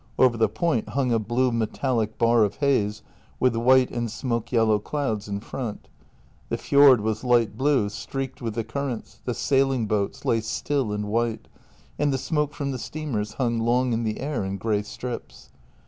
Over the point hung a blue metallic bar of haze with white and smoke yellow clouds in front. The fjord was light blue, streaked with the currents, the sailing boats lay still and white, and the smoke from the steamers hung long in the air in grey strips.